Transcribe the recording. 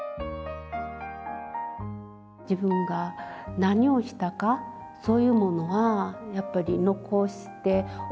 自分が何をしたかそういうものはやっぱり残しておきたい。